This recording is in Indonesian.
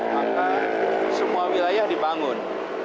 maka semua wilayah dibangun